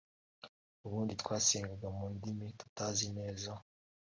ubundi twasengaga mu ndimi tutazi neza